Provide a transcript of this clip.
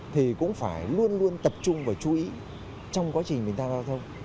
thì cũng phải luôn luôn tập trung và chú ý trong quá trình mình tham gia giao thông